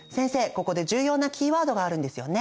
ここで重要なキーワードがあるんですよね？